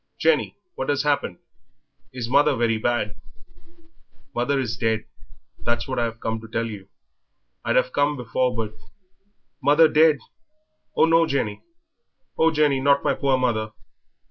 "Jenny, what has happened; is mother very bad?" "Mother is dead, that's what I've come to tell you; I'd have come before, but " "Mother dead! Oh, no, Jenny! Oh, Jenny, not my poor mother!"